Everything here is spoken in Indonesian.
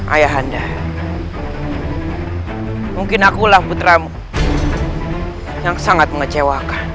ayahanda mungkin akulah putramu yang sangat mengecewakan